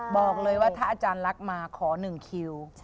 บอกเลยว่าถ้าอาจารย์รักมาขอหนึ่งคิว